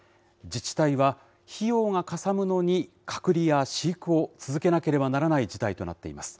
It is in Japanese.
自治体は費用がかさむのに隔離や飼育を続けなければならない事態となっています。